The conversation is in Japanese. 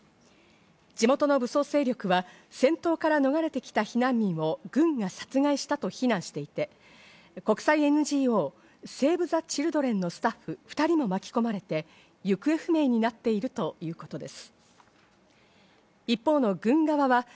地元の武装勢力は、戦闘から逃れてきた避難民を軍が殺害したと非難していて、国際ＮＧＯ、セーブ・ザ・チルドレンのスタッフ２人も巻き込まれて行方不明になっているということです。